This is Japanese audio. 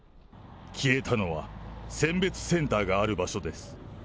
消えたのは、選別センターがある場所です。